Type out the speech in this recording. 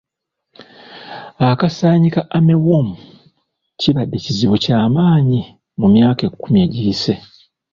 Akasaanyi ka armyworm kibadde kizibu ky'amaanyi mu myaka ekkumi egiyise.